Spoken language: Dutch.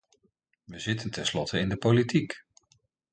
We zitten tenslotte in de politiek!